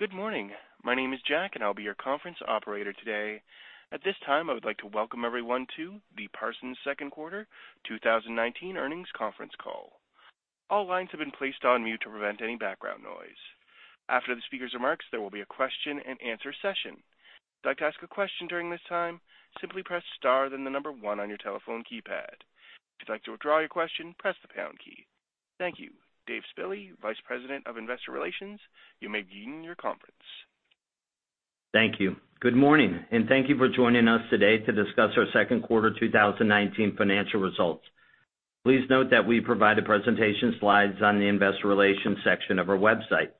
Good morning. My name is Jack, I'll be your conference operator today. At this time, I would like to welcome everyone to the Parsons Second Quarter 2019 Earnings Conference Call. All lines have been placed on mute to prevent any background noise. After the speaker's remarks, there will be a question and answer session. If you'd like to ask a question during this time, simply press star, the number one on your telephone keypad. If you'd like to withdraw your question, press the pound key. Thank you. Dave Spille, Vice President of Investor Relations, you may begin your conference. Thank you. Good morning, and thank you for joining us today to discuss our second quarter 2019 financial results. Please note that we provide the presentation slides on the investor relations section of our website.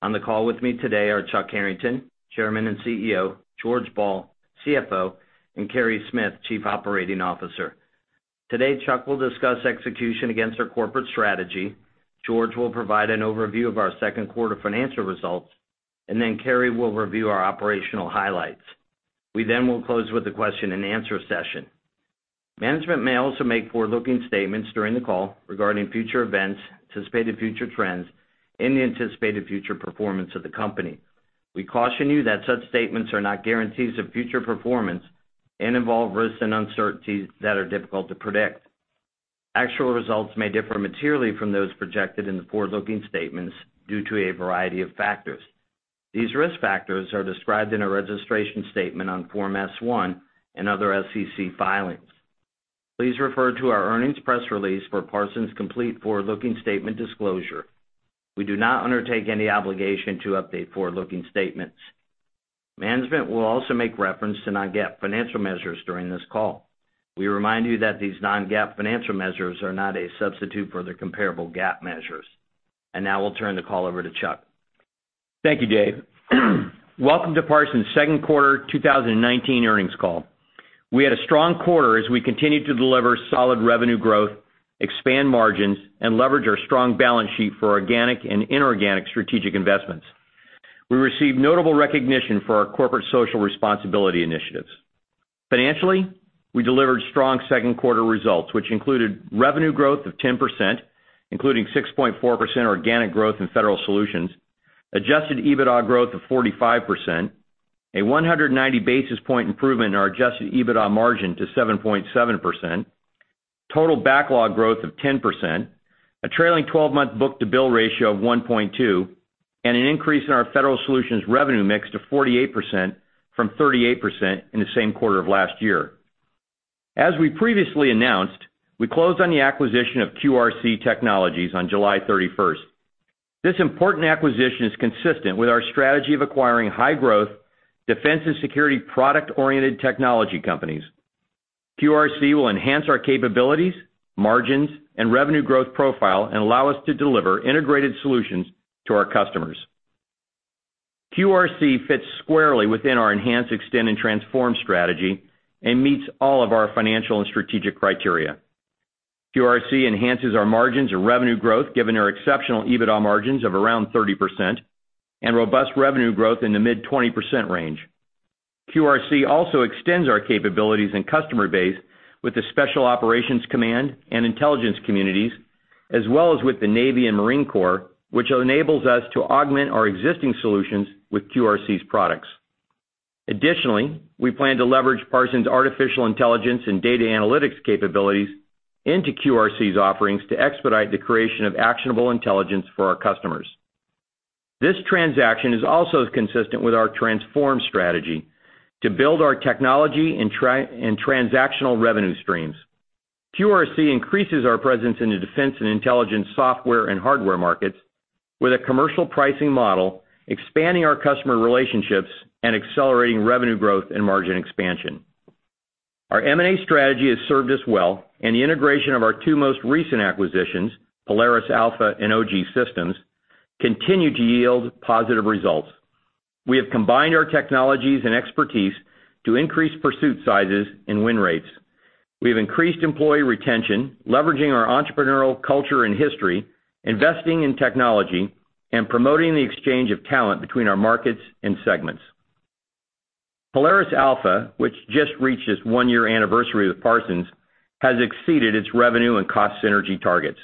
On the call with me today are Chuck Harrington, Chairman and CEO, George Ball, CFO, and Carey Smith, Chief Operating Officer. Today, Chuck will discuss execution against our corporate strategy, George will provide an overview of our second quarter financial results, and then Carey will review our operational highlights. We then will close with a question and answer session. Management may also make forward-looking statements during the call regarding future events, anticipated future trends, and the anticipated future performance of the company. We caution you that such statements are not guarantees of future performance and involve risks and uncertainties that are difficult to predict. Actual results may differ materially from those projected in the forward-looking statements due to a variety of factors. These risk factors are described in our registration statement on Form S-1 and other SEC filings. Please refer to our earnings press release for Parsons' complete forward-looking statement disclosure. We do not undertake any obligation to update forward-looking statements. Management will also make reference to non-GAAP financial measures during this call. We remind you that these non-GAAP financial measures are not a substitute for the comparable GAAP measures. Now we'll turn the call over to Chuck. Thank you, Dave. Welcome to Parsons' second quarter 2019 earnings call. We had a strong quarter as we continued to deliver solid revenue growth, expand margins, and leverage our strong balance sheet for organic and inorganic strategic investments. We received notable recognition for our corporate social responsibility initiatives. Financially, we delivered strong second quarter results, which included revenue growth of 10%, including 6.4% organic growth in Federal Solutions, adjusted EBITDA growth of 45%, a 190 basis point improvement in our adjusted EBITDA margin to 7.7%, total backlog growth of 10%, a trailing 12-month book-to-bill ratio of 1.2, and an increase in our Federal Solutions revenue mix to 48% from 38% in the same quarter of last year. As we previously announced, we closed on the acquisition of QRC Technologies on July 31st. This important acquisition is consistent with our strategy of acquiring high growth, defense and security product-oriented technology companies. QRC will enhance our capabilities, margins, and revenue growth profile and allow us to deliver integrated solutions to our customers. QRC fits squarely within our enhance, extend, and transform strategy and meets all of our financial and strategic criteria. QRC enhances our margins and revenue growth given our exceptional EBITDA margins of around 30% and robust revenue growth in the mid-20% range. QRC also extends our capabilities and customer base with the Special Operations Command and intelligence communities, as well as with the Navy and Marine Corps, which enables us to augment our existing solutions with QRC's products. Additionally, we plan to leverage Parsons' artificial intelligence and data analytics capabilities into QRC's offerings to expedite the creation of actionable intelligence for our customers. This transaction is also as consistent with our transform strategy to build our technology and transactional revenue streams. QRC increases our presence in the defense and intelligence software and hardware markets with a commercial pricing model, expanding our customer relationships and accelerating revenue growth and margin expansion. Our M&A strategy has served us well, and the integration of our two most recent acquisitions, Polaris Alpha and OG Systems, continue to yield positive results. We have combined our technologies and expertise to increase pursuit sizes and win rates. We have increased employee retention, leveraging our entrepreneurial culture and history, investing in technology, and promoting the exchange of talent between our markets and segments. Polaris Alpha, which just reached its one-year anniversary with Parsons, has exceeded its revenue and cost synergy targets.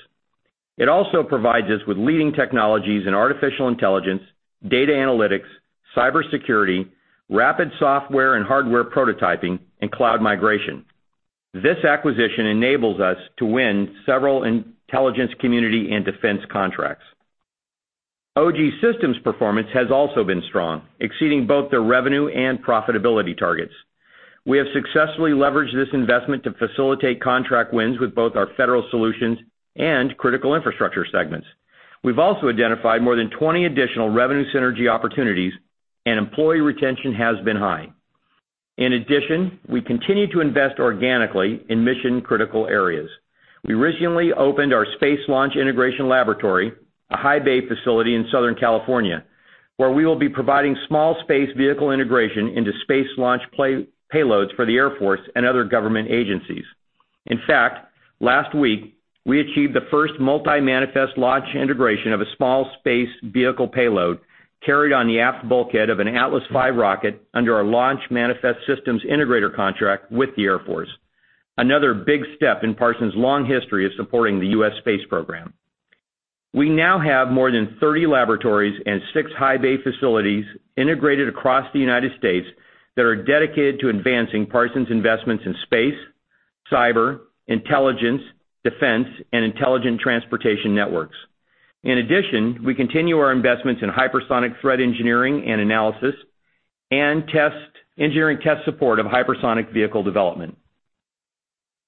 It also provides us with leading technologies in artificial intelligence, data analytics, cybersecurity, rapid software and hardware prototyping, and cloud migration. This acquisition enables us to win several intelligence community and defense contracts. OG Systems' performance has also been strong, exceeding both the revenue and profitability targets. We have successfully leveraged this investment to facilitate contract wins with both our Federal Solutions and Critical Infrastructure segments. We've also identified more than 20 additional revenue synergy opportunities, and employee retention has been high. In addition, we continue to invest organically in mission-critical areas. We recently opened our space launch integration laboratory, a high bay facility in Southern California, where we will be providing small space vehicle integration into space launch payloads for the Air Force and other government agencies. In fact, last week, we achieved the first multi-manifest launch integration of a small space vehicle payload carried on the aft bulkhead of an Atlas V rocket under our launch manifest systems integrator contract with the Air Force. Another big step in Parsons' long history of supporting the U.S. space program. We now have more than 30 laboratories and six high bay facilities integrated across the United States that are dedicated to advancing Parsons' investments in space, cyber, intelligence, defense, and intelligent transportation networks. In addition, we continue our investments in hypersonic threat engineering and analysis, and engineering test support of hypersonic vehicle development.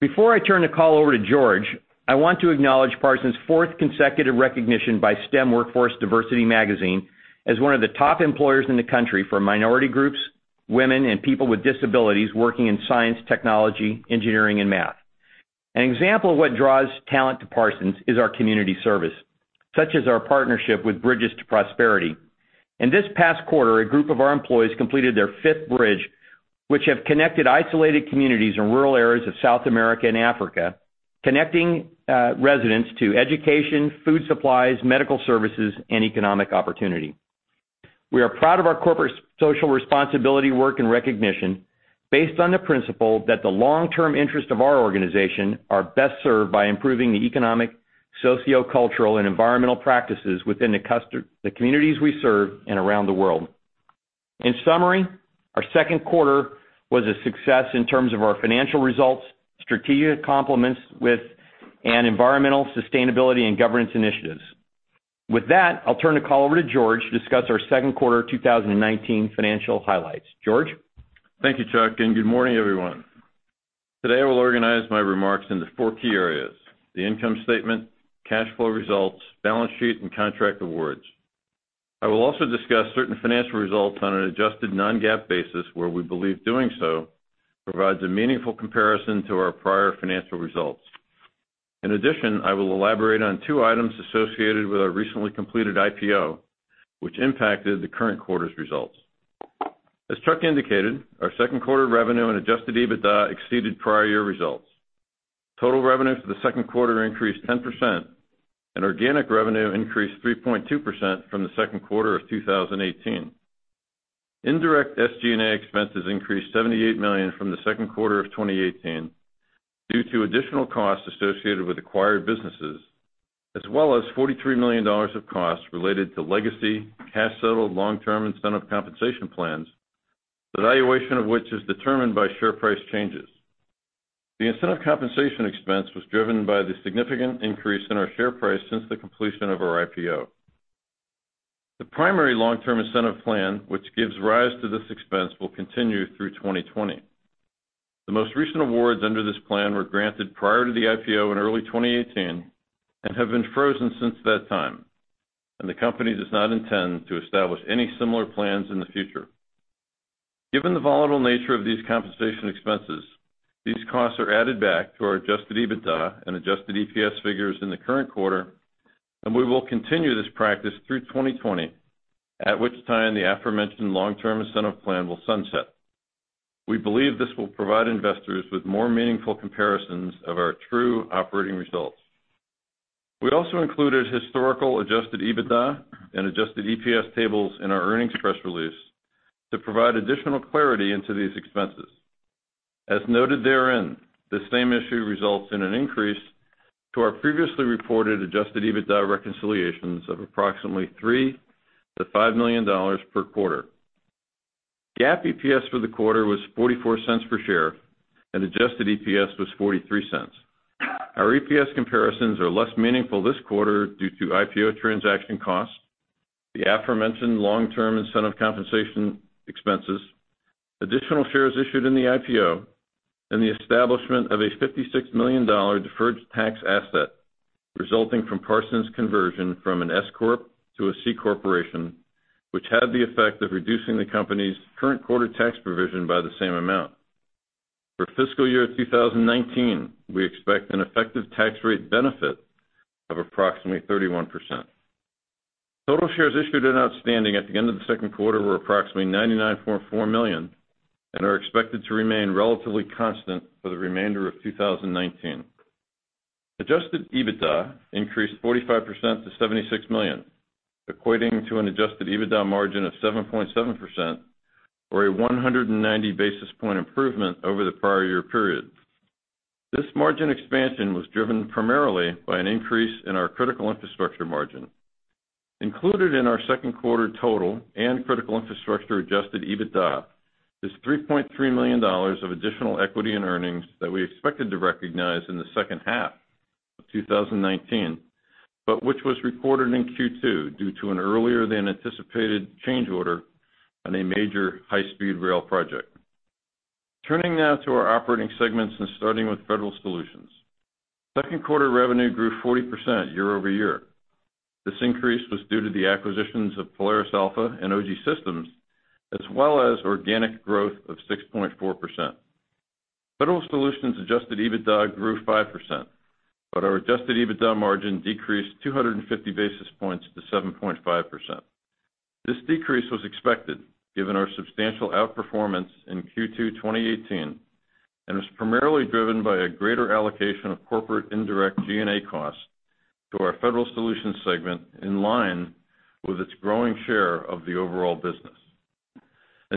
Before I turn the call over to George, I want to acknowledge Parsons' fourth consecutive recognition by STEM Workforce Diversity magazine as one of the top employers in the country for minority groups, women, and people with disabilities working in science, technology, engineering, and math. An example of what draws talent to Parsons is our community service, such as our partnership with Bridges to Prosperity. In this past quarter, a group of our employees completed their fifth bridge, which have connected isolated communities in rural areas of South America and Africa, connecting residents to education, food supplies, medical services, and economic opportunity. We are proud of our corporate social responsibility work and recognition, based on the principle that the long-term interest of our organization are best served by improving the economic, sociocultural, and environmental practices within the communities we serve and around the world. In summary, our second quarter was a success in terms of our financial results, strategic complements with, and environmental sustainability and governance initiatives. With that, I'll turn the call over to George to discuss our second quarter 2019 financial highlights. George? Thank you, Chuck, and good morning, everyone. Today, I will organize my remarks into four key areas: the income statement, cash flow results, balance sheet, and contract awards. I will also discuss certain financial results on an adjusted non-GAAP basis where we believe doing so provides a meaningful comparison to our prior financial results. In addition, I will elaborate on two items associated with our recently completed IPO, which impacted the current quarter's results. As Chuck indicated, our second quarter revenue and adjusted EBITDA exceeded prior year results. Total revenue for the second quarter increased 10%, and organic revenue increased 3.2% from the second quarter of 2018. Indirect SG&A expenses increased $78 million from the second quarter of 2018 due to additional costs associated with acquired businesses, as well as $43 million of costs related to legacy, cash-settled long-term incentive compensation plans, the valuation of which is determined by share price changes. The incentive compensation expense was driven by the significant increase in our share price since the completion of our IPO. The primary long-term incentive plan, which gives rise to this expense, will continue through 2020. The most recent awards under this plan were granted prior to the IPO in early 2018 and have been frozen since that time, and the company does not intend to establish any similar plans in the future. Given the volatile nature of these compensation expenses, these costs are added back to our adjusted EBITDA and adjusted EPS figures in the current quarter, and we will continue this practice through 2020, at which time the aforementioned long-term incentive plan will sunset. We believe this will provide investors with more meaningful comparisons of our true operating results. We also included historical adjusted EBITDA and adjusted EPS tables in our earnings press release to provide additional clarity into these expenses. As noted therein, this same issue results in an increase to our previously reported adjusted EBITDA reconciliations of approximately $3 million-$5 million per quarter. GAAP EPS for the quarter was $0.44 per share, and adjusted EPS was $0.43. Our EPS comparisons are less meaningful this quarter due to IPO transaction costs, the aforementioned long-term incentive compensation expenses, additional shares issued in the IPO, and the establishment of a $56 million deferred tax asset resulting from Parsons' conversion from an S corp to a C corporation, which had the effect of reducing the company's current quarter tax provision by the same amount. For fiscal year 2019, we expect an effective tax rate benefit of approximately 31%. Total shares issued and outstanding at the end of the second quarter were approximately 99.4 million and are expected to remain relatively constant for the remainder of 2019. Adjusted EBITDA increased 45% to $76 million, equating to an adjusted EBITDA margin of 7.7%, or a 190 basis point improvement over the prior year period. This margin expansion was driven primarily by an increase in our Critical Infrastructure margin. Included in our second quarter total and Critical Infrastructure adjusted EBITDA is $3.3 million of additional equity in earnings that we expected to recognize in the second half of 2019, but which was recorded in Q2 due to an earlier-than-anticipated change order on a major high-speed rail project. Turning now to our operating segments and starting with Federal Solutions. Second quarter revenue grew 40% year-over-year. This increase was due to the acquisitions of Polaris Alpha and OGSystems, as well as organic growth of 6.4%. Our adjusted EBITDA margin decreased 250 basis points to 7.5%. This decrease was expected given our substantial outperformance in Q2 2018 and is primarily driven by a greater allocation of corporate indirect G&A costs to our Federal Solutions segment in line with its growing share of the overall business.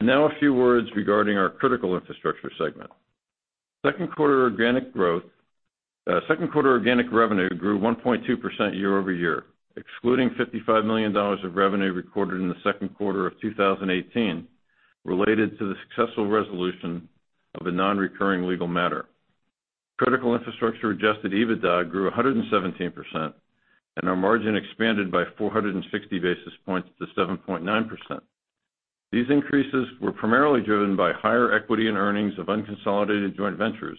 Now a few words regarding our Critical Infrastructure segment. Second quarter organic revenue grew 1.2% year-over-year, excluding $55 million of revenue recorded in the second quarter of 2018 related to the successful resolution of a non-recurring legal matter. Critical Infrastructure adjusted EBITDA grew 117%, and our margin expanded by 460 basis points to 7.9%. These increases were primarily driven by higher equity and earnings of unconsolidated joint ventures,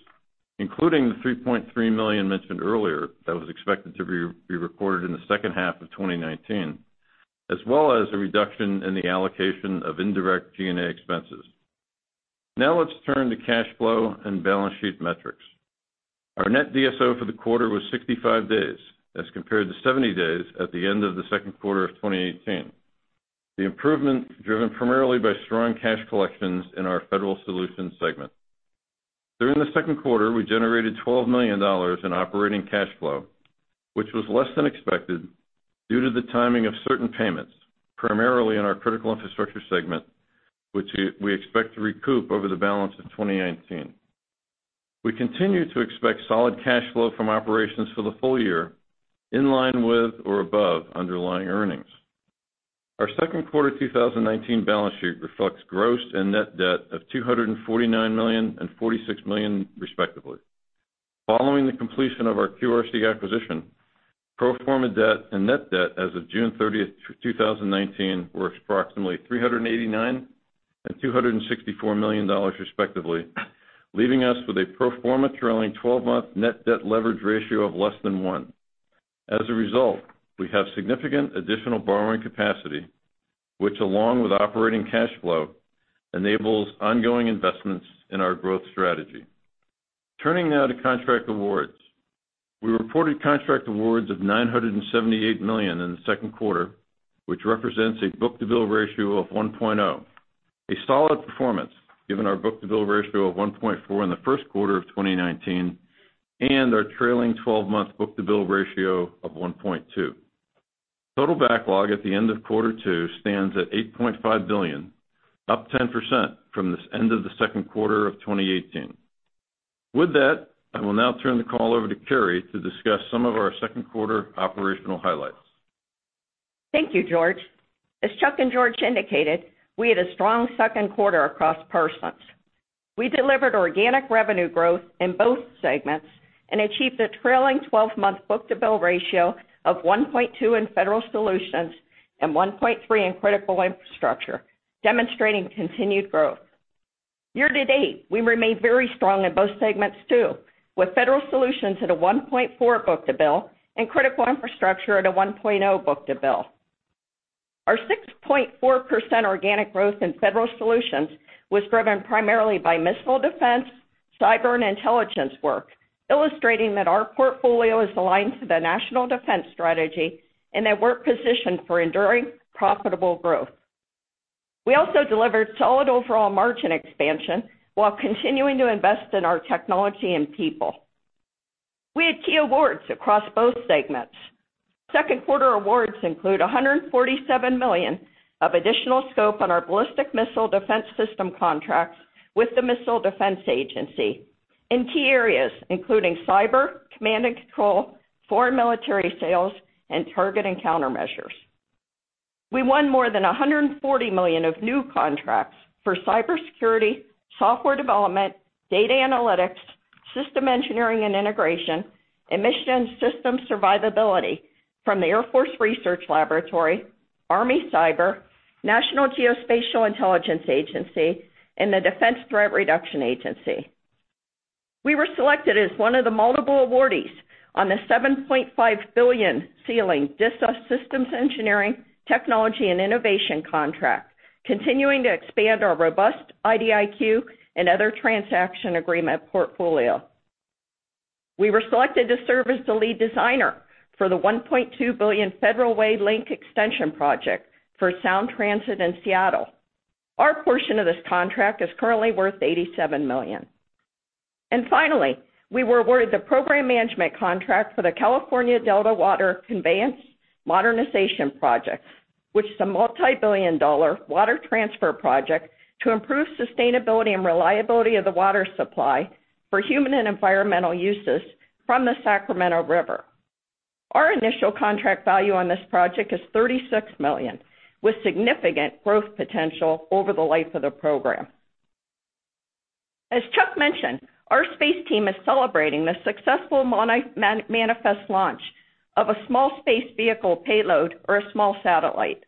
including the $3.3 million mentioned earlier that was expected to be recorded in the second half of 2019, as well as a reduction in the allocation of indirect G&A expenses. Now let's turn to cash flow and balance sheet metrics. Our net DSO for the quarter was 65 days as compared to 70 days at the end of the second quarter of 2018. The improvement driven primarily by strong cash collections in our Federal Solutions segment. During the second quarter, we generated $12 million in operating cash flow, which was less than expected due to the timing of certain payments, primarily in our Critical Infrastructure segment, which we expect to recoup over the balance of 2019. We continue to expect solid cash flow from operations for the full year in line with or above underlying earnings. Our second quarter 2019 balance sheet reflects gross and net debt of $249 million and $46 million respectively. Following the completion of our QRC acquisition, pro forma debt and net debt as of June 30th, 2019, were approximately $389 and $264 million respectively, leaving us with a pro forma trailing 12-month net debt leverage ratio of less than one. We have significant additional borrowing capacity, which along with operating cash flow, enables ongoing investments in our growth strategy. Turning now to contract awards. We reported contract awards of $978 million in the second quarter, which represents a book-to-bill ratio of 1.0. A solid performance given our book-to-bill ratio of 1.4 in the first quarter of 2019, and our trailing 12-month book-to-bill ratio of 1.2. Total backlog at the end of quarter two stands at $8.5 billion, up 10% from the end of the second quarter of 2018. With that, I will now turn the call over to Carey to discuss some of our second quarter operational highlights. Thank you, George. As Chuck and George indicated, we had a strong second quarter across Parsons. We delivered organic revenue growth in both segments and achieved a trailing 12-month book-to-bill ratio of 1.2 in Federal Solutions and 1.3 in Critical Infrastructure, demonstrating continued growth. Year-to-date, we remain very strong in both segments too, with Federal Solutions at a 1.4 book-to-bill and Critical Infrastructure at a 1.0 book-to-bill. Our 6.4% organic growth in Federal Solutions was driven primarily by missile defense, cyber, and intelligence work, illustrating that our portfolio is aligned to the National Defense Strategy and at work position for enduring profitable growth. We also delivered solid overall margin expansion while continuing to invest in our technology and people. We had key awards across both segments. Second quarter awards include $147 million of additional scope on our ballistic missile defense system contracts with the Missile Defense Agency in key areas including cyber, command and control, foreign military sales, and target and countermeasures. We won more than $140 million of new contracts for cybersecurity, software development, data analytics, system engineering and integration, mission system survivability from the Air Force Research Laboratory, Army Cyber, National Geospatial-Intelligence Agency, and the Defense Threat Reduction Agency. We were selected as one of the multiple awardees on the $7.5 billion ceiling DISA Systems Engineering, Technology and Innovation contract, continuing to expand our robust IDIQ and other transaction agreement portfolio. We were selected to serve as the lead designer for the $1.2 billion Federal Way Link Extension project for Sound Transit in Seattle. Our portion of this contract is currently worth $87 million. Finally, we were awarded the program management contract for the California Delta Water Conveyance Modernization project, which is a multibillion-dollar water transfer project to improve sustainability and reliability of the water supply for human and environmental uses from the Sacramento River. Our initial contract value on this project is $36 million, with significant growth potential over the life of the program. As Chuck mentioned, our space team is celebrating the successful manifest launch of a small space vehicle payload or a small satellite.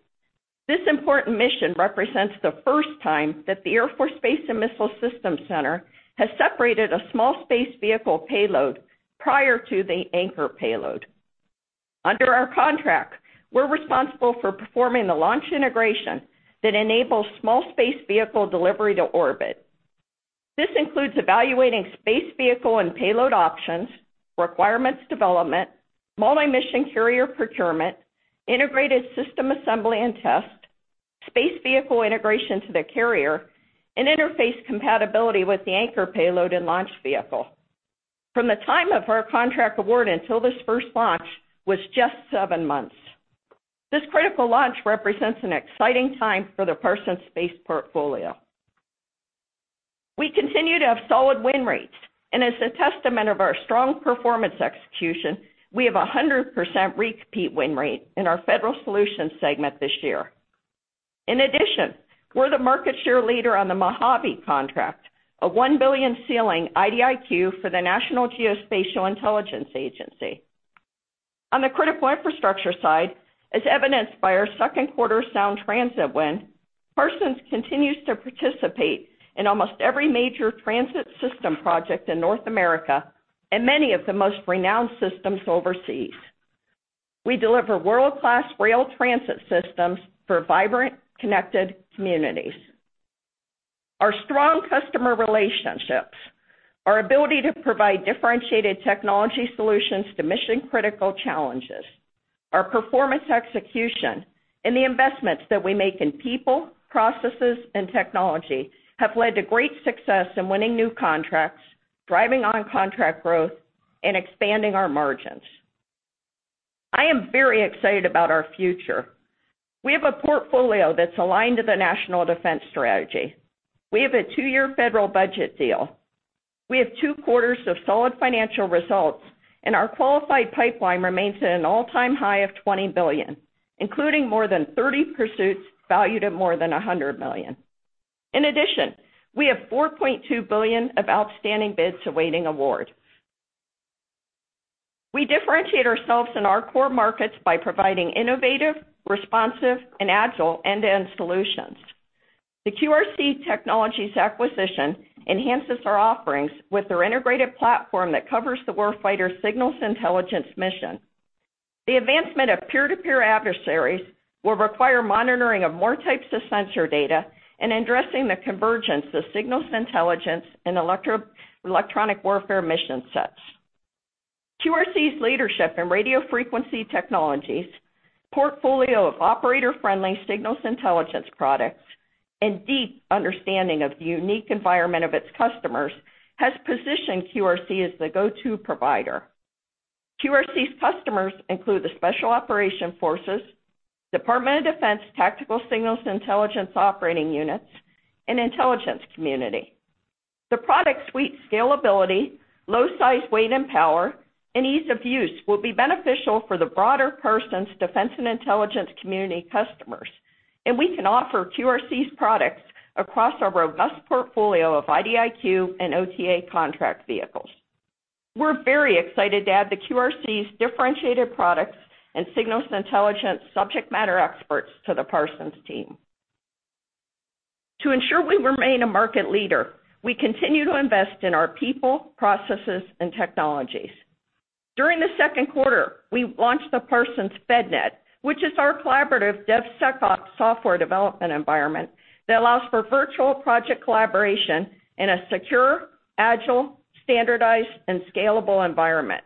This important mission represents the first time that the Air Force Space and Missile Systems Center has separated a small space vehicle payload prior to the anchor payload. Under our contract, we're responsible for performing the launch integration that enables small space vehicle delivery to orbit. This includes evaluating space vehicle and payload options, requirements development, multi-mission carrier procurement, integrated system assembly and test, space vehicle integration to the carrier, and interface compatibility with the anchor payload and launch vehicle. From the time of our contract award until this first launch was just seven months. This critical launch represents an exciting time for the Parsons Space portfolio. We continue to have solid win rates, and as a testament of our strong performance execution, we have 100% repeat win rate in our Federal Solutions segment this year. In addition, we're the market share leader on the Mojave contract, a $1 billion ceiling IDIQ for the National Geospatial-Intelligence Agency. On the Critical Infrastructure side, as evidenced by our second quarter Sound Transit win, Parsons continues to participate in almost every major transit system project in North America and many of the most renowned systems overseas. We deliver world-class rail transit systems for vibrant, connected communities. Our strong customer relationships, our ability to provide differentiated technology solutions to mission-critical challenges, our performance execution, and the investments that we make in people, processes, and technology, have led to great success in winning new contracts, driving on-contract growth, and expanding our margins. I am very excited about our future. We have a portfolio that's aligned to the National Defense Strategy. We have a two-year federal budget deal. We have two quarters of solid financial results, and our qualified pipeline remains at an all-time high of $20 billion, including more than 30 pursuits valued at more than $100 million. In addition, we have $4.2 billion of outstanding bids awaiting award. We differentiate ourselves in our core markets by providing innovative, responsive, and agile end-to-end solutions. The QRC Technologies acquisition enhances our offerings with their integrated platform that covers the war fighter signals intelligence mission. The advancement of peer-to-peer adversaries will require monitoring of more types of sensor data and addressing the convergence of signals intelligence and electronic warfare mission sets. QRC's leadership in radio frequency technologies, portfolio of operator-friendly signals intelligence products, and deep understanding of the unique environment of its customers has positioned QRC as the go-to provider. QRC's customers include the Special Operations Forces, Department of Defense Tactical Signals Intelligence Operating units, and intelligence community. The product suite scalability, low size, weight, and power, and ease of use will be beneficial for the broader Parsons defense and intelligence community customers, and we can offer QRC's products across our robust portfolio of IDIQ and OTA contract vehicles. We're very excited to add the QRC's differentiated products and signals intelligence subject matter experts to the Parsons team. To ensure we remain a market leader, we continue to invest in our people, processes, and technologies. During the second quarter, we launched the Parsons FedNet, which is our collaborative DevSecOps software development environment that allows for virtual project collaboration in a secure, agile, standardized, and scalable environment.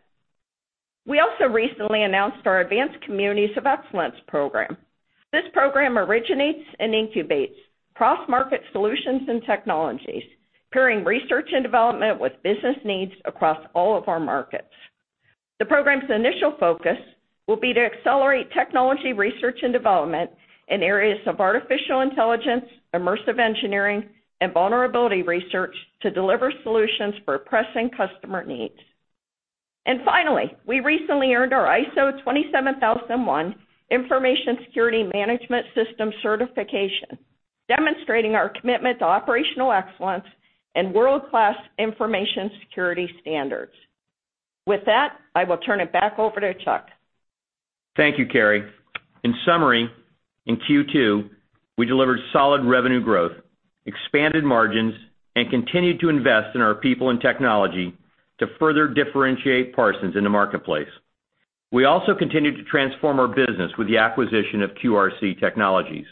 We also recently announced our advanced Communities of Excellence program. This program originates and incubates cross-market solutions and technologies, pairing research and development with business needs across all of our markets. The program's initial focus will be to accelerate technology research and development in areas of artificial intelligence, immersive engineering, and vulnerability research to deliver solutions for pressing customer needs. Finally, we recently earned our ISO 27001, information security management system certification, demonstrating our commitment to operational excellence and world-class information security standards. With that, I will turn it back over to Chuck. Thank you, Carey. In summary, in Q2, we delivered solid revenue growth, expanded margins, and continued to invest in our people and technology to further differentiate Parsons in the marketplace. We also continued to transform our business with the acquisition of QRC Technologies.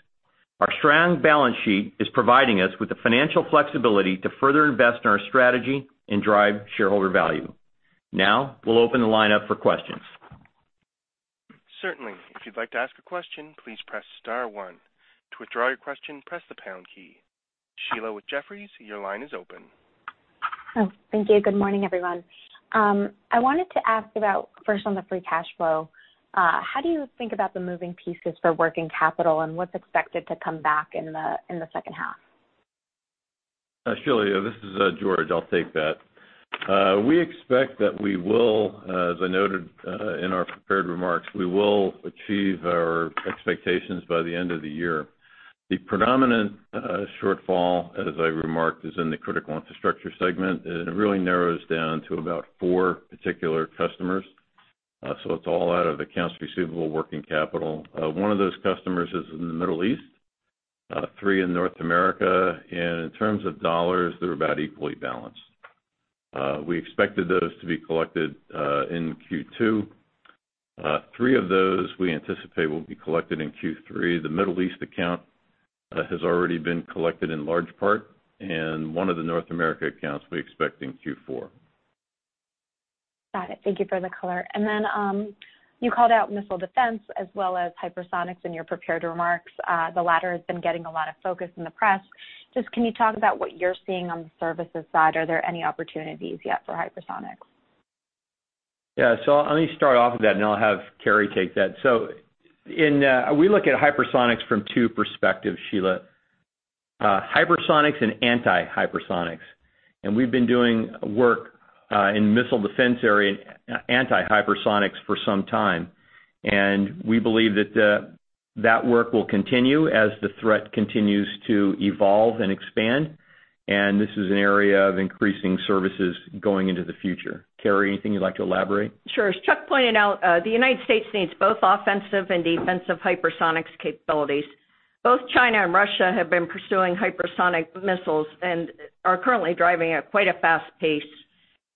Our strong balance sheet is providing us with the financial flexibility to further invest in our strategy and drive shareholder value. Now, we'll open the line up for questions. Certainly. If you'd like to ask a question, please press star one. To withdraw your question, press the pound key. Sheila with Jefferies, your line is open. Oh, thank you. Good morning, everyone. I wanted to ask about, first, on the free cash flow, how do you think about the moving pieces for working capital and what's expected to come back in the second half? Sheila, this is George. I'll take that. We expect that we will, as I noted in our prepared remarks, we will achieve our expectations by the end of the year. The predominant shortfall, as I remarked, is in the Critical Infrastructure segment. It really narrows down to about four particular customers. It's all out of accounts receivable, working capital. One of those customers is in the Middle East, three in North America. In terms of dollars, they're about equally balanced. We expected those to be collected in Q2. Three of those, we anticipate will be collected in Q3. The Middle East account has already been collected in large part. One of the North America accounts we expect in Q4. Got it. Thank you for the color. You called out missile defense as well as hypersonics in your prepared remarks. The latter has been getting a lot of focus in the press. Just can you talk about what you're seeing on the services side? Are there any opportunities yet for hypersonics? Yeah. Let me start off with that, and then I'll have Carey take that. We look at hypersonics from two perspectives, Sheila. Hypersonics and anti-hypersonics. We've been doing work in Missile Defense Agency and anti-hypersonics for some time. We believe that work will continue as the threat continues to evolve and expand. This is an area of increasing services going into the future. Carey, anything you'd like to elaborate? Sure. As Chuck pointed out, the United States needs both offensive and defensive hypersonics capabilities. Both China and Russia have been pursuing hypersonic missiles and are currently driving at quite a fast pace.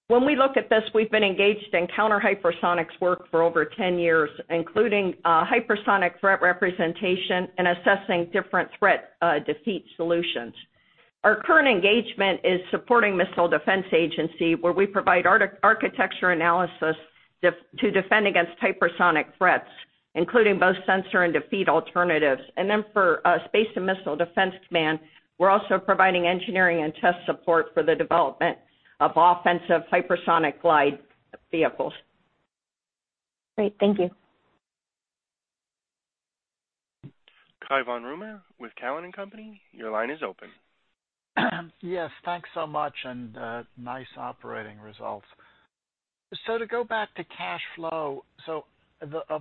When we look at this, we've been engaged in counter-hypersonics work for over 10 years, including hypersonic threat representation and assessing different threat defeat solutions. Our current engagement is supporting Missile Defense Agency, where we provide architecture analysis to defend against hypersonic threats, including both sensor and defeat alternatives. For Space and Missile Defense Command, we're also providing engineering and test support for the development of offensive hypersonic glide vehicles. Great. Thank you. Cai von Rumohr with Cowen and Company, your line is open. Yes, thanks so much. Nice operating results. To go back to cash flow, of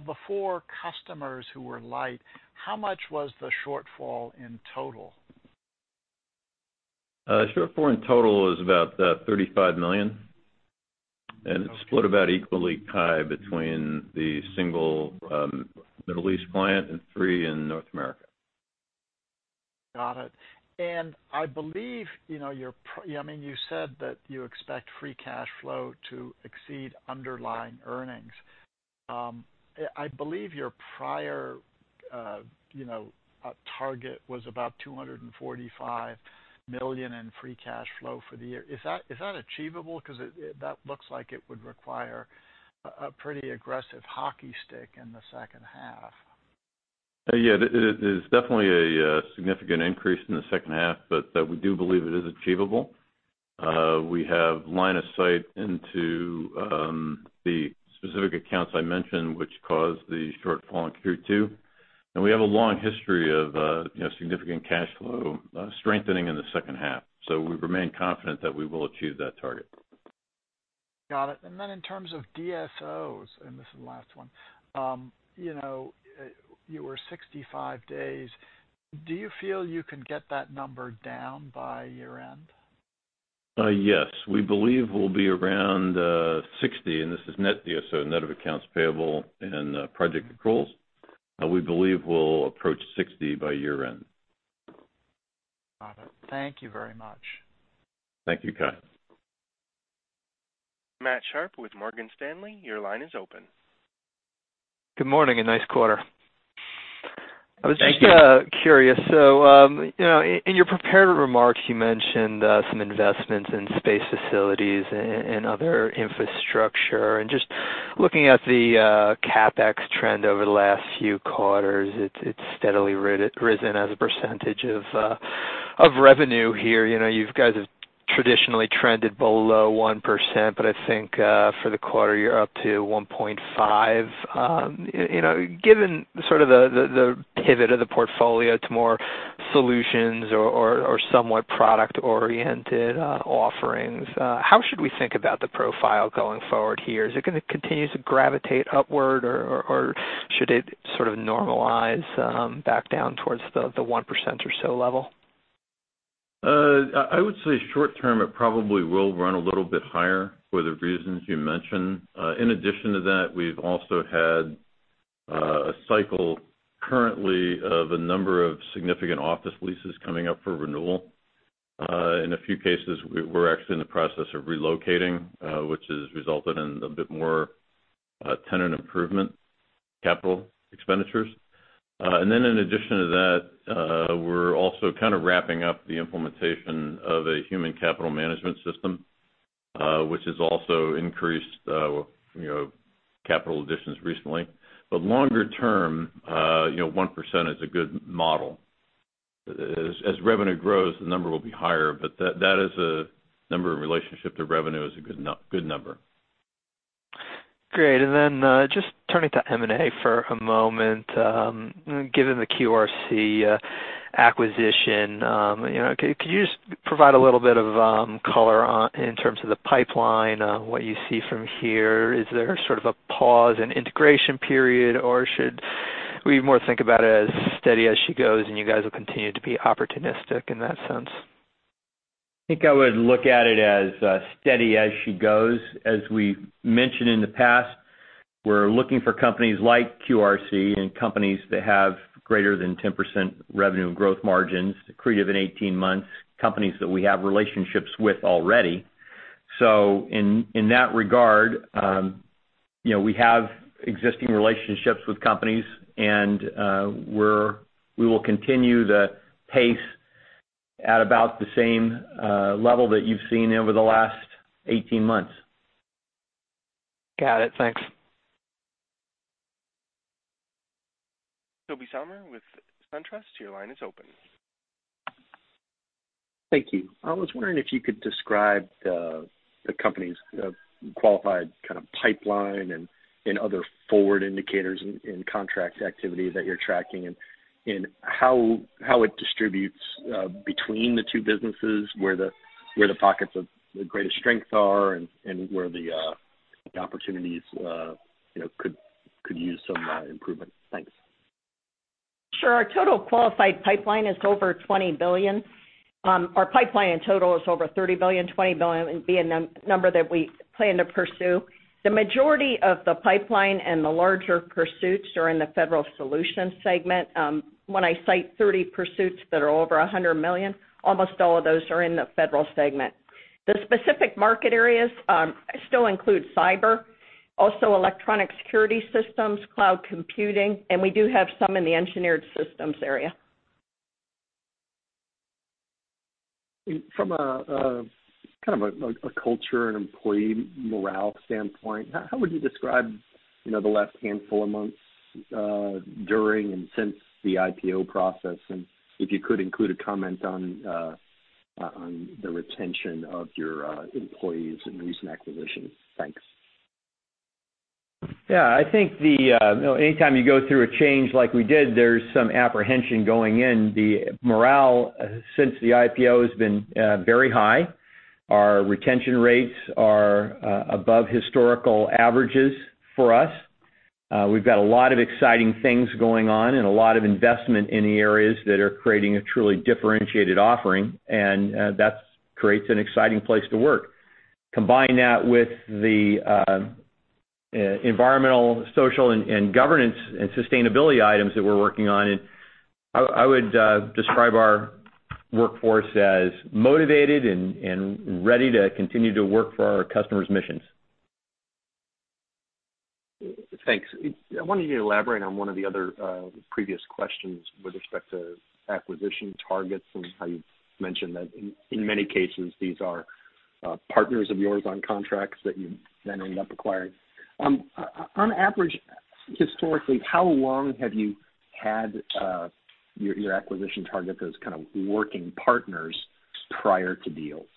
the four customers who were light, how much was the shortfall in total? Shortfall in total is about $35 million. Okay. It's split about equally, Cai, between the single Middle East client and three in North America. Got it. I believe you said that you expect free cash flow to exceed underlying earnings. I believe your prior target was about $245 million in free cash flow for the year. Is that achievable? That looks like it would require a pretty aggressive hockey stick in the second half. Yeah, it is definitely a significant increase in the second half, but we do believe it is achievable. We have line of sight into the specific accounts I mentioned, which caused the shortfall in Q2, and we have a long history of significant cash flow strengthening in the second half. We remain confident that we will achieve that target. Got it. In terms of DSOs, this is the last one. You were 65 days. Do you feel you can get that number down by year-end? Yes. We believe we'll be around 60, and this is net DSO, net of accounts payable and project controls. We believe we'll approach 60 by year-end. Got it. Thank you very much. Thank you, Cai. Matthew Sharpe with Morgan Stanley, your line is open. Good morning, and nice quarter. Thank you. I was just curious. In your prepared remarks, you mentioned some investments in space facilities and other infrastructure. Just looking at the CapEx trend over the last few quarters, it's steadily risen as a percentage of revenue here. You guys have traditionally trended below 1%, but I think for the quarter, you're up to 1.5%. Given sort of the pivot of the portfolio to more solutions or somewhat product-oriented offerings, how should we think about the profile going forward here? Is it going to continue to gravitate upward, or should it sort of normalize back down towards the 1% or so level? I would say short term, it probably will run a little bit higher for the reasons you mentioned. In addition to that, we've also had a cycle currently of a number of significant office leases coming up for renewal. In a few cases, we're actually in the process of relocating, which has resulted in a bit more tenant improvement capital expenditures. In addition to that, we're also kind of wrapping up the implementation of a human capital management system, which has also increased capital additions recently. Longer term, 1% is a good model. As revenue grows, the number will be higher, but that as a number in relationship to revenue is a good number. Great. Just turning to M&A for a moment, given the QRC acquisition, can you just provide a little bit of color in terms of the pipeline, what you see from here? Is there sort of a pause and integration period, or should we more think about it as steady as she goes, and you guys will continue to be opportunistic in that sense? I think I would look at it as steady as she goes. As we mentioned in the past, we're looking for companies like QRC and companies that have greater than 10% revenue and growth margins accretive in 18 months, companies that we have relationships with already. In that regard, we have existing relationships with companies, and we will continue the pace. At about the same level that you've seen over the last 18 months. Got it. Thanks. Tobey Sommer with SunTrust, your line is open. Thank you. I was wondering if you could describe the company's qualified kind of pipeline and other forward indicators in contract activity that you're tracking, and how it distributes between the two businesses, where the pockets of the greatest strength are, and where the opportunities could use some improvement? Thanks. Sure. Our total qualified pipeline is over $20 billion. Our pipeline in total is over $30 billion, $20 billion would be a number that we plan to pursue. The majority of the pipeline and the larger pursuits are in the Federal Solutions segment. When I cite 30 pursuits that are over $100 million, almost all of those are in the federal segment. The specific market areas still include cyber, also electronic security systems, cloud computing, and we do have some in the engineered systems area. From a kind of a culture and employee morale standpoint, how would you describe the last handful of months during and since the IPO process? If you could, include a comment on the retention of your employees and recent acquisitions. Thanks. Yeah, I think anytime you go through a change like we did, there's some apprehension going in. The morale since the IPO has been very high. Our retention rates are above historical averages for us. We've got a lot of exciting things going on and a lot of investment in the areas that are creating a truly differentiated offering, and that creates an exciting place to work. Combine that with the environmental, social, and governance, and sustainability items that we're working on, and I would describe our workforce as motivated and ready to continue to work for our customers' missions. Thanks. I wanted you to elaborate on one of the other previous questions with respect to acquisition targets and how you mentioned that in many cases, these are partners of yours on contracts that you then end up acquiring. On average, historically, how long have you had your acquisition target those kind of working partners prior to deals?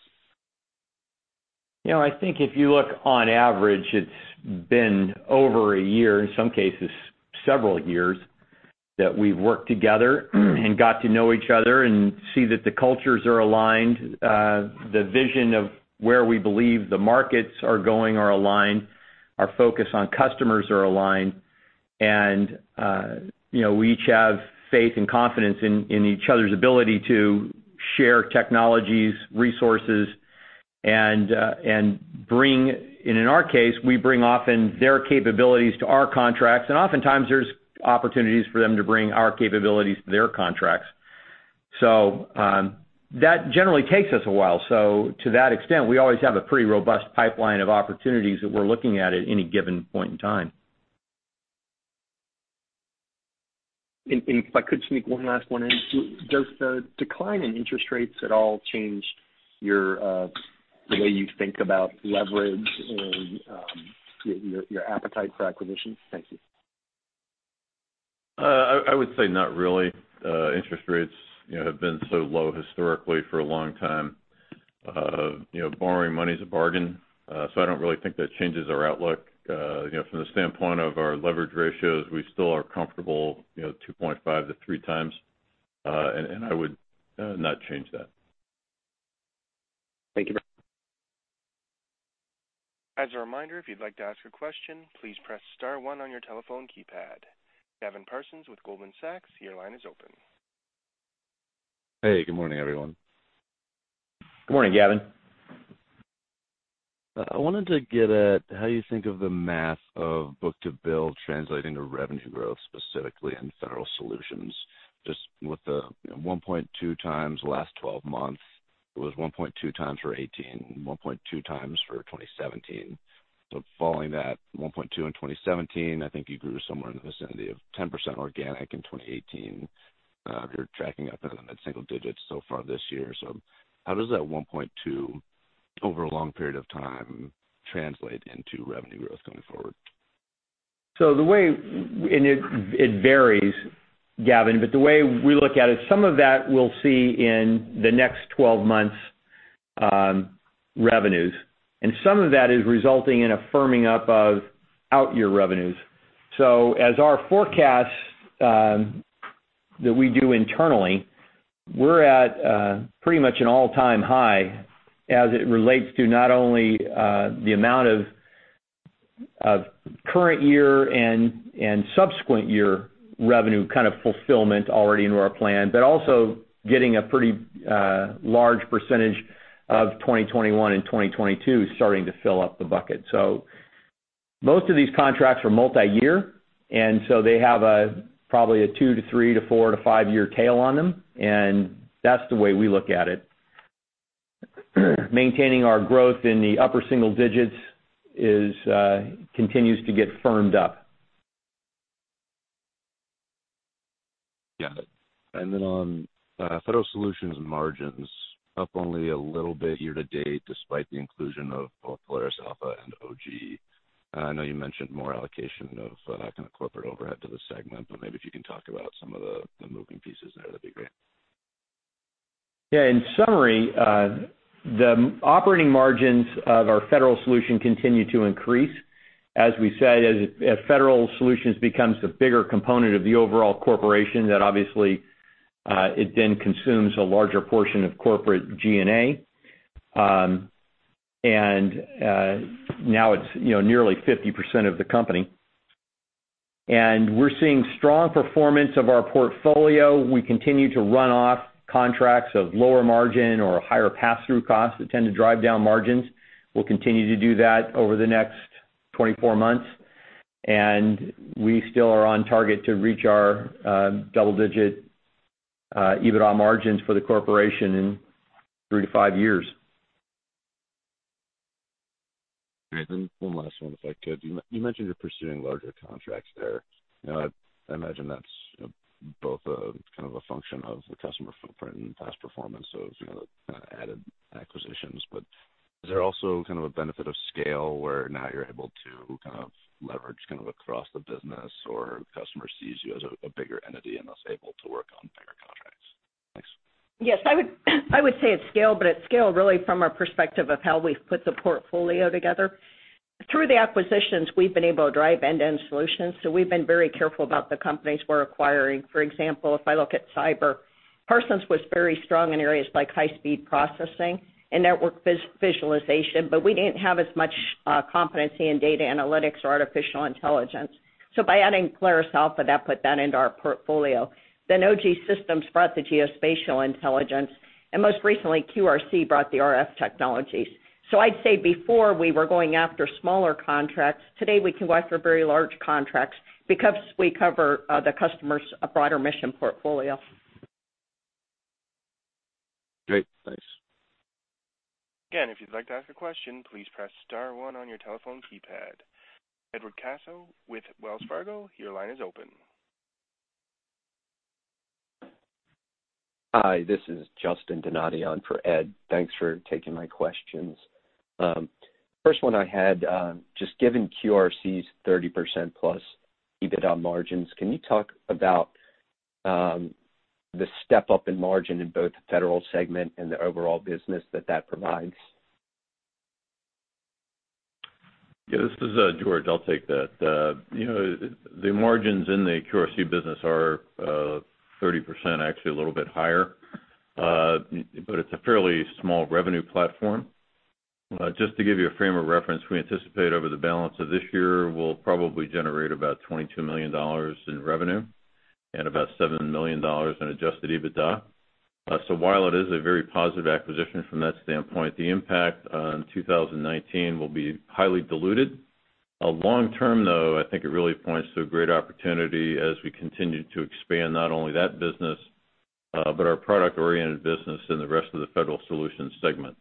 I think if you look on average, it's been over a year, in some cases several years, that we've worked together and got to know each other and see that the cultures are aligned. The vision of where we believe the markets are going are aligned, our focus on customers are aligned. We each have faith and confidence in each other's ability to share technologies, resources, and in our case, we bring often their capabilities to our contracts, and oftentimes there's opportunities for them to bring our capabilities to their contracts. That generally takes us a while. To that extent, we always have a pretty robust pipeline of opportunities that we're looking at at any given point in time. If I could sneak one last one in. Does the decline in interest rates at all change the way you think about leverage and your appetite for acquisitions? Thank you. I would say not really. Interest rates have been so low historically for a long time. Borrowing money is a bargain. I don't really think that changes our outlook. From the standpoint of our leverage ratios, we still are comfortable 2.5 to three times. I would not change that. Thank you. As a reminder, if you'd like to ask a question, please press *1 on your telephone keypad. Gavin Parsons with Goldman Sachs, your line is open. Hey, good morning, everyone. Good morning, Gavin. I wanted to get at how you think of the math of book-to-bill translating to revenue growth specifically in Federal Solutions, just with the 1.2 times last 12 months, it was 1.2 times for 2018, 1.2 times for 2017. Following that 1.2 in 2017, I think you grew somewhere in the vicinity of 10% organic in 2018. You're tracking up in the mid-single digits so far this year. How does that 1.2 over a long period of time translate into revenue growth going forward? The way And it varies, Gavin, but the way we look at it, some of that we'll see in the next 12 months revenues, and some of that is resulting in a firming up of out year revenues. As our forecast that we do internally, we're at pretty much an all-time high as it relates to not only the amount of current year and subsequent year revenue kind of fulfillment already into our plan, but also getting a pretty large percentage of 2021 and 2022 starting to fill up the bucket. Most of these contracts are multi-year, and so they have probably a two- to three- to four- to five-year tail on them, and that's the way we look at it. Maintaining our growth in the upper single digits continues to get firmed up. On Federal Solutions margins up only a little bit year to date, despite the inclusion of both Polaris Alpha and OG. I know you mentioned more allocation of that kind of corporate overhead to the segment, but maybe if you can talk about some of the moving pieces there, that'd be great. Yeah. In summary, the operating margins of our Federal Solutions continue to increase. As we said, as Federal Solutions becomes a bigger component of the overall corporation, that obviously, it then consumes a larger portion of corporate G&A. Now it's nearly 50% of the company. We're seeing strong performance of our portfolio. We continue to run off contracts of lower margin or higher passthrough costs that tend to drive down margins. We'll continue to do that over the next 24 months, and we still are on target to reach our double-digit EBITDA margins for the corporation in three to five years. Great. One last one, if I could. You mentioned you're pursuing larger contracts there. I imagine that's both a function of the customer footprint and past performance, so kind of added acquisitions. Is there also a benefit of scale where now you're able to leverage across the business or customer sees you as a bigger entity and thus able to work on bigger contracts? Thanks. I would say it's scale, but it's scale really from our perspective of how we've put the portfolio together. Through the acquisitions, we've been able to drive end-to-end solutions, we've been very careful about the companies we're acquiring. For example, if I look at cyber, Parsons was very strong in areas like high-speed processing and network visualization, we didn't have as much competency in data analytics or artificial intelligence. By adding Polaris Alpha, that put that into our portfolio. OG Systems brought the geospatial intelligence, most recently, QRC brought the RF technologies. I'd say before, we were going after smaller contracts. Today, we can go after very large contracts because we cover the customer's broader mission portfolio. Great. Thanks. Again, if you'd like to ask a question, please press star one on your telephone keypad. Edward Caso with Wells Fargo, your line is open. Hi, this is Justin Donati for Ed. Thanks for taking my questions. First one I had, just given QRC's 30% plus EBITDA margins, can you talk about the step-up in margin in both the federal segment and the overall business that that provides? Yeah. This is George. I'll take that. The margins in the QRC business are 30%, actually a little bit higher. It's a fairly small revenue platform. Just to give you a frame of reference, we anticipate over the balance of this year, we'll probably generate about $22 million in revenue and about $7 million in adjusted EBITDA. While it is a very positive acquisition from that standpoint, the impact on 2019 will be highly diluted. Long-term, though, I think it really points to a great opportunity as we continue to expand not only that business, but our product-oriented business in the rest of the Federal Solutions segment.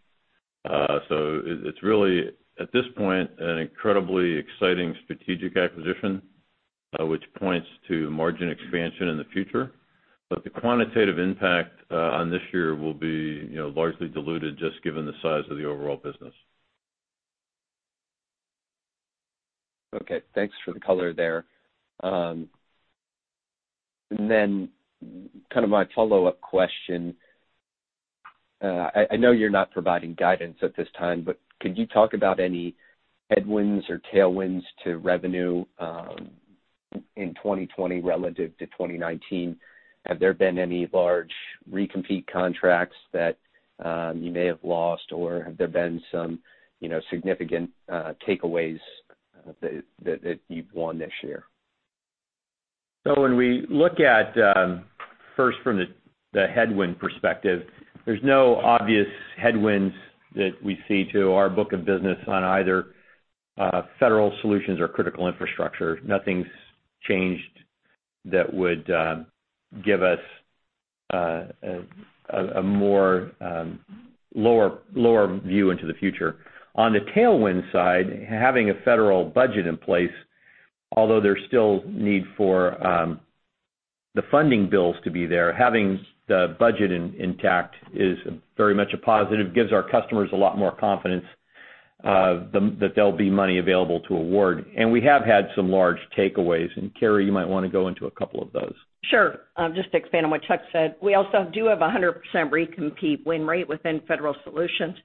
It's really, at this point, an incredibly exciting strategic acquisition, which points to margin expansion in the future. The quantitative impact on this year will be largely diluted, just given the size of the overall business. Okay. Thanks for the color there. My follow-up question. I know you're not providing guidance at this time, but could you talk about any headwinds or tailwinds to revenue in 2020 relative to 2019? Have there been any large recompete contracts that you may have lost, or have there been some significant takeaways that you've won this year? When we look at, first from the headwind perspective, there's no obvious headwinds that we see to our book of business on either Federal Solutions or Critical Infrastructure. Nothing's changed that would give us a more lower view into the future. On the tailwind side, having a federal budget in place, although there's still need for the funding bills to be there, having the budget intact is very much a positive, gives our customers a lot more confidence that there'll be money available to award. We have had some large takeaways, and Carey, you might want to go into a couple of those. Sure. Just to expand on what Chuck said, we also do have 100% recompete win rate within Federal Solutions,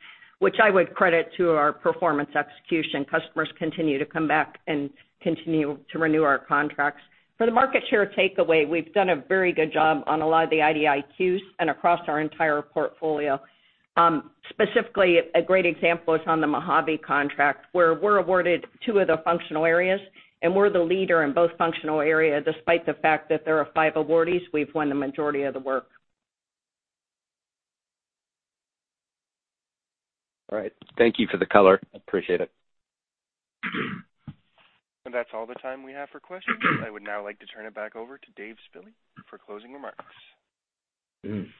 which I would credit to our performance execution. Customers continue to come back and continue to renew our contracts. For the market share takeaway, we've done a very good job on a lot of the IDIQs and across our entire portfolio. Specifically, a great example is on the Mojave contract, where we're awarded two of the functional areas, and we're the leader in both functional areas. Despite the fact that there are five awardees, we've won the majority of the work. All right. Thank you for the color. Appreciate it. That's all the time we have for questions. I would now like to turn it back over to Dave Spille for closing remarks.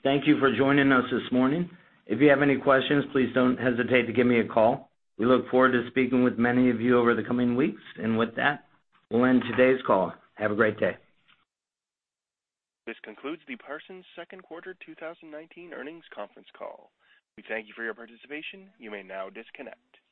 Thank you for joining us this morning. If you have any questions, please don't hesitate to give me a call. We look forward to speaking with many of you over the coming weeks. With that, we'll end today's call. Have a great day. This concludes the Parsons second quarter 2019 earnings conference call. We thank you for your participation. You may now disconnect.